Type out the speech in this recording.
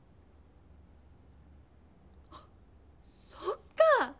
あそっか！